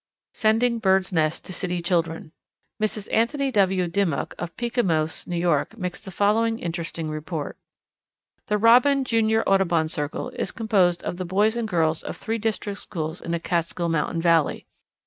Sending Birds' Nests to City Children. Mrs. Anthony W. Dimock, of Peekamose, New York, makes the following interesting report: "The Robin Junior Audubon Circle is composed of the boys and girls of three district schools in a Catskill Mountain valley.